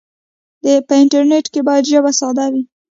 په انټرنیټ کې باید ژبه ساده وي.